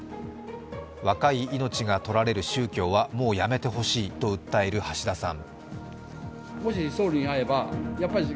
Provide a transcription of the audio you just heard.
若い命が取られる宗教はもうやめてほしいと訴える橋田さん。